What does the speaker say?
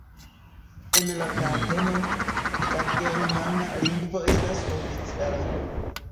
En la kantono, la germana lingvo estas oficiala.